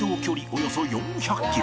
およそ４００キロ